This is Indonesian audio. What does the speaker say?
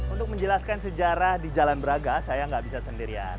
untuk menjelaskan sejarah di jalan braga saya nggak bisa sendirian